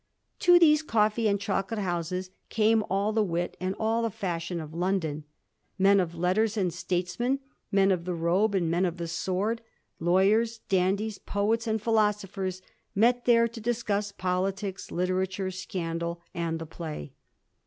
To these coffee and chocolate houses came all the wit and all the fashion of London. Men of letters and statesmen, men of the robe and men of the sword, lawyers, dandies, poets, and philosophers, met there to discuss politics, literature, scandal, and the play.